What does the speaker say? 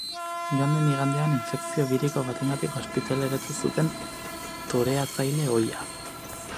Joan den igandean infekzio biriko batengatik ospitaleratu zuten toreatzaile ohia.